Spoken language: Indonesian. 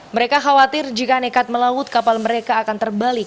mereka khawatir jika nekat melaut kapal mereka akan terbalik